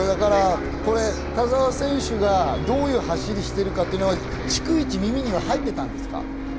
田澤選手がどういう走りをしているかっていうのは逐一、耳には入っていたんですか？